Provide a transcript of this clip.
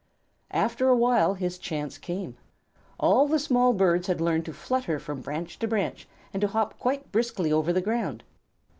After a while his chance came. All the small birds had learned to flutter from branch to branch, and to hop quite briskly over the ground.